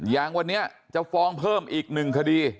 อย่างวันนี้จะฟ้องเพิ่มอีก๑คดี